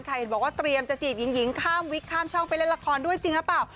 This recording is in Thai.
เห็นบอกว่าเตรียมจะจีบหญิงข้ามวิกข้ามช่องไปเล่นละครด้วยจริงหรือเปล่า